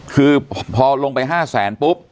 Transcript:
คือพอลงไป๕แสนปุ๊บ